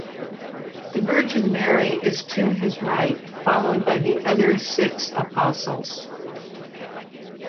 The Virgin Mary is to his right followed by the other six apostles.